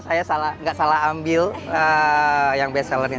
saya nggak salah ambil yang bestsellernya